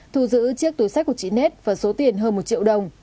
thu giữ chiếc túi sách của chị net và số tiền hơn một triệu đồng